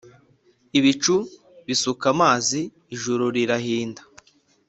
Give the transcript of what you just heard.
ibicu bisuka amazi, ijuru rirahinda,